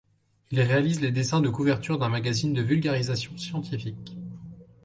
Il réalise les dessins de couverture d’un magazine de vulgarisation scientifique.